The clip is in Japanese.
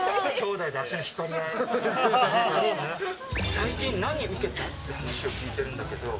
最近何ウケた？って話を聞いてるんだけど。